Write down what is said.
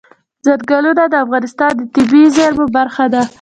ځنګلونه د افغانستان د طبیعي زیرمو برخه ده.